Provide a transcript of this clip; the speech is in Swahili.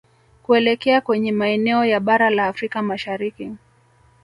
kuelekea kwenye maeneo ya Bara la Afrika Mashariki